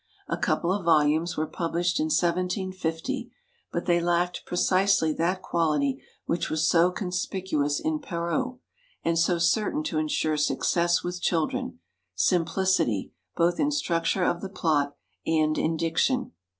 A couple of volumes were published in 1750, but they lacked precisely that quality which was so conspicuous in Perrault, and so certain to ensure success with children simplicity, both in structure of the plot, and in diction.